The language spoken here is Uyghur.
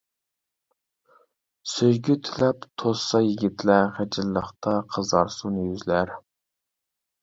سۆيگۈ تىلەپ توسسا يىگىتلەر، خىجىللىقتا قىزارسۇن يۈزلەر.